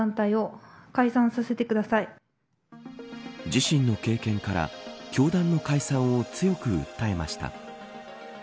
自身の経験から教団の解散を強く訴えました。